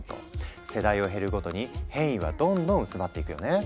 世代を経るごとに変異はどんどん薄まっていくよね。